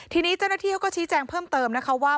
ทีนี้เจ้าหน้าที่เขาก็ชี้แจงเพิ่มเติมนะคะว่า